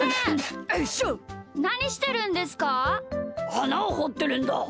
あなをほってるんだ。